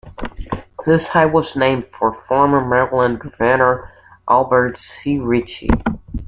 This highway was named for former Maryland Governor Albert C. Ritchie.